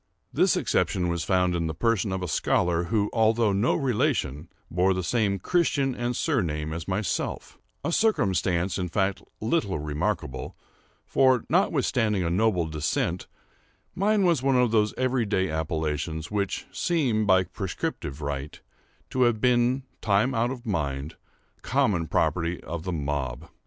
This exception was found in the person of a scholar, who, although no relation, bore the same Christian and surname as myself;—a circumstance, in fact, little remarkable; for, notwithstanding a noble descent, mine was one of those everyday appellations which seem, by prescriptive right, to have been, time out of mind, the common property of the mob.